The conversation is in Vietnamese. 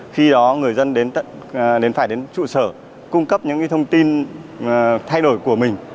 khi đó người dân đến phải đến trụ sở cung cấp những cái thông tin thay đổi của mình